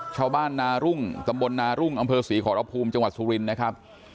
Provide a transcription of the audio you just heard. ชาวบ้านนารุ่งตำบลนารุ่งอำเภอศรีขอรภูมิจังหวัดสุรินทร์นะครับ